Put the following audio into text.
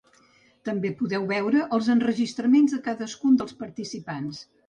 També podeu veure els enregistraments de cadascun dels participants.